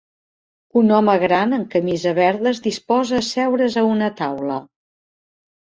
Un home gran amb camisa verda es disposa a asseure's a una taula.